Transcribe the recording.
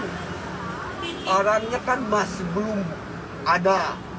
dulu kan orangnya kan masih belum ada